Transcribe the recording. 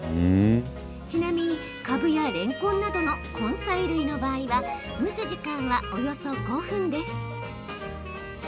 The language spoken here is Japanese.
ちなみに、かぶやれんこんなどの根菜類の場合は蒸す時間は、およそ５分です。